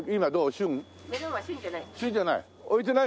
旬じゃない。